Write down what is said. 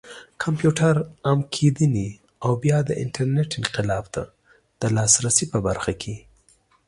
کمپيوټر عام کېدنې او بيا د انټرنټ انقلاب ته د لاسرسي په برخه کې